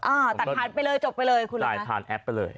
อ่าตัดผ่านไปเลยจบไปเลยคุณเลยถ่ายผ่านแอปไปเลย